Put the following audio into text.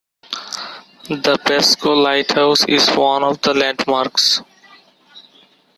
The Basco Lighthouse is one of the landmarks.